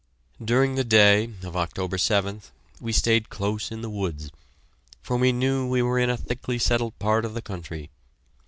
During the day of October 7th we stayed close in the woods, for we knew we were in a thickly settled part of the country.